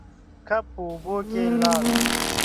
کب په اوبو کې لاړ.